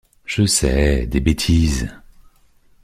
Je sais, des bêtises!...